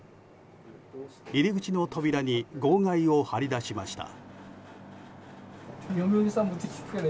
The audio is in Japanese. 入り口の扉に号外を貼り出しました。